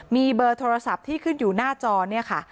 มีเบอร์โทรศัพท์ที่ขึ้นอยู่หน้าจอเนี่ยค่ะ